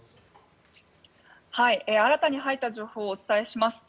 新たに入った情報をお伝えします。